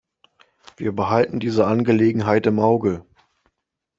Wir behalten diese Angelegenheit im Auge.